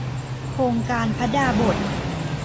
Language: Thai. โครงการพระดาบส